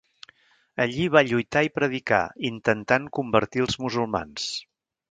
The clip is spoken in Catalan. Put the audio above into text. Allí va lluitar i predicar, intentant convertir els musulmans.